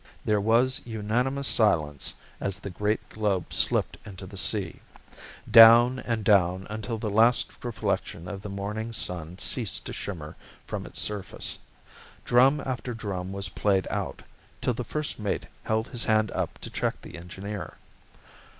There was unanimous silence as the great globe slipped into the sea down and down until the last reflection of the morning sun ceased to shimmer from its surface. Drum after drum was played out, till the first mate held his hand up to check the engineer.